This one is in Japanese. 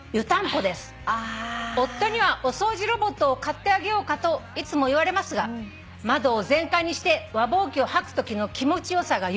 「夫にはお掃除ロボットを買ってあげようかといつも言われますが窓を全開にして和ぼうきを掃くときの気持ち良さが譲れません」